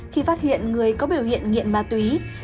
khi phát hiện người có biểu hiện nghiện ma túy